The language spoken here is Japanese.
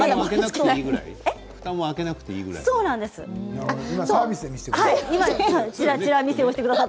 ふたを開けなくてもいいぐらい？